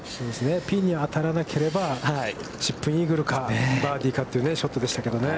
ピンに当たらなければチップインイーグルかバーディーかというショットでしたけれどもね。